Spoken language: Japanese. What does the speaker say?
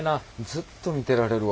ずっと見てられるわ。